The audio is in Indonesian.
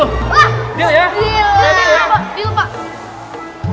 oke siap pak